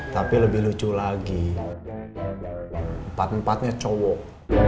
tapi lebih lucu lagi empat empatnya cowok